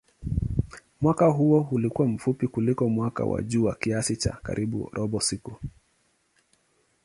Mwaka huo ulikuwa mfupi kuliko mwaka wa jua kiasi cha karibu robo siku.